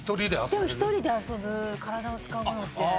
でも１人で遊ぶ体を使うものって。